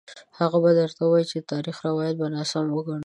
هغه به درته ووايي چې د تاریخ روایت به ناسم وګڼو.